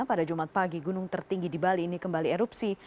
pada jumat pagi gunung tertinggi di bali ini kembali erupsi